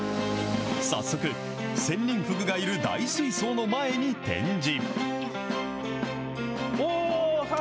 早速、センニンフグがいる大水槽の前に展示。